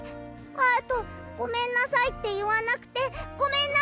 あと「ごめんなさい」っていわなくてごめんなさい！